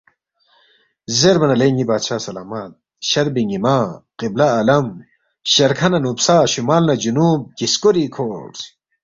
زیربا نہ، لے ن٘ی بادشاہ سلامت ، شربی نِ٘یمہ، قِبلہ عالم، شَرکھہ نہ نُوبسا شمال نہ جنُوب گِسکوری کھورس